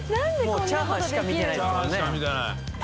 もうチャーハンしか見てないですもんね。